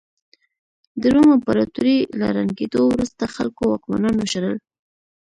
د روم امپراتورۍ له ړنګېدو وروسته خلکو واکمنان وشړل